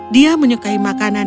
dia menyukai makanan